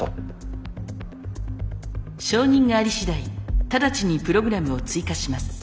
承認があり次第直ちにプログラムを追加します。